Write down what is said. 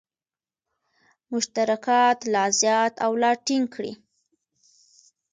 مشترکات لا زیات او لا ټینګ کړي.